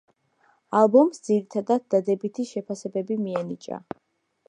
ალბომს ძირითადად დადებითი შეფასებები მიენიჭა.